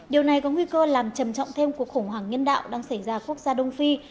điều này có nguy cơ làm trầm trọng thêm cuộc khủng hoảng nhân đạo đang xảy ra quốc gia đông phi